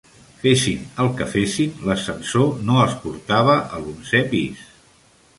Fessin el que fessin, l'ascensor no els portava a l'onzè pis.